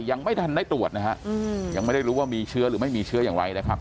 ยังไม่ทันได้ตรวจนะฮะยังไม่ได้รู้ว่ามีเชื้อหรือไม่มีเชื้ออย่างไรนะครับ